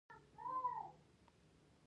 ښه زيرمه کول د غلو د ضايع کېدو مخه نيسي.